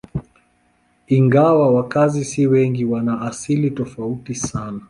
Ingawa wakazi si wengi, wana asili tofauti sana.